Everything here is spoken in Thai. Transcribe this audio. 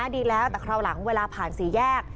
ดีแล้วแต่คราวหลังเวลาผ่านสี่แยก